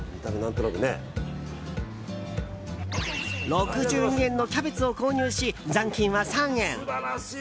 ６２円のキャベツを購入し残金は３円！